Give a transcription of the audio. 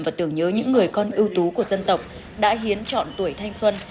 và tưởng nhớ những người con ưu tú của dân tộc đã hiến chọn tuổi thanh xuân